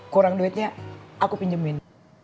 kurang duitnya aku pinjemin